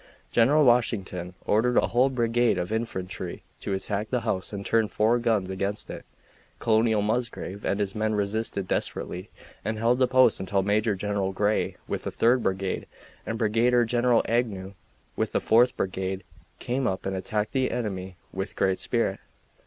General Washington ordered a whole brigade of infantry to attack the house and turned four guns against it. Colonel Musgrave and his men resisted desperately and held the post until Major General Grey, with the Third Brigade, and Brigadier General Agnew, with the Fourth Brigade, came up and attacked the enemy with great spirit.